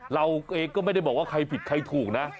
เราเองก็ไม่ได้บอกว่าใครผิดใครถูกนะ